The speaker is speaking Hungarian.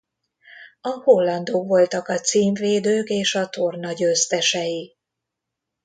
A hollandok voltak a címvédők és a torna győztesei.